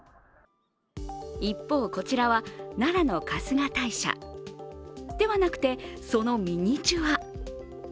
一方、こちらは奈良の春日大社ではなくて、そのミニチュア。